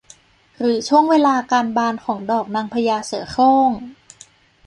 หรือช่วงเวลาการบานของดอกนางพญาเสือโคร่ง